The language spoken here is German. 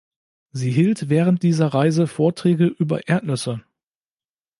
Sie hielt während dieser Reise Vorträge über Erdnüsse.